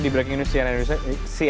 di breaking news cnn indonesia